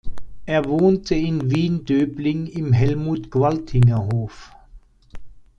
Er wohnte in Wien-Döbling im Helmut-Qualtinger-Hof.